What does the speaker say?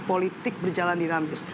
politik berjalan dinamis